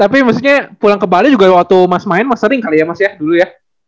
tapi maksudnya pulang ke bali juga waktu mas main mas sering kali ya mas ya dulu ya